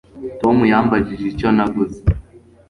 Tom yambajije icyo naguze